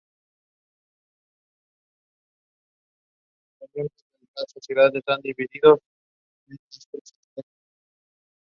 Pese a esto, fueron utilizados para entrenamiento y patrullaje de las costas niponas.